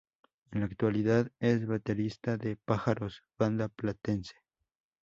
En la actualidad es baterista de Pájaros, banda platense.